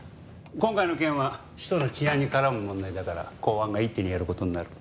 今回の件は首都の治安に絡む問題だから公安が一手にやる事になる。